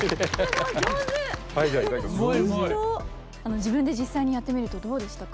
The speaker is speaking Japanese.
自分で実際にやってみるとどうでしたか？